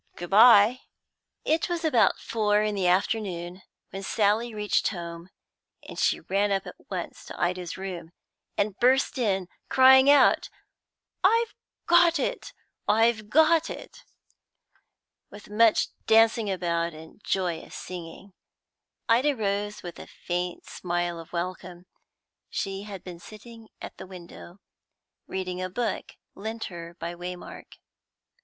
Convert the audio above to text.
Good bye." It was about four in the afternoon when Sally reached home, and she ran up at once to Ida's room, and burst in, crying out, "I've got it! I've got it!" with much dancing about and joyous singing. Ida rose with a faint smile of welcome. She had been sitting at the window, reading a book lent her by Waymark.